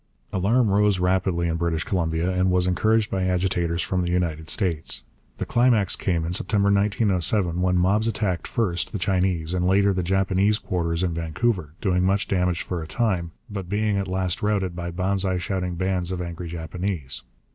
Alarm rose rapidly in British Columbia, and was encouraged by agitators from the United States. The climax came in September 1907, when mobs attacked first the Chinese and later the Japanese quarters in Vancouver, doing much damage for a time, but being at last routed by Banzai shouting bands of angry Japanese.